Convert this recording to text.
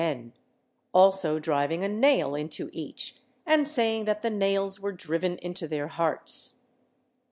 VIII] PUNISHMENT 199 also driving a nail into each and saying that the nails were driven into their hearts.